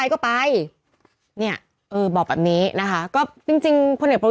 อ่าอ่าอ่าอ่า